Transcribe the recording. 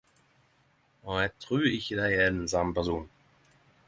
Og eg trur ikkje dei er den same personen.